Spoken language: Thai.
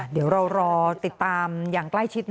เดี๋ยวเรารอติดตามอย่างใกล้ชิด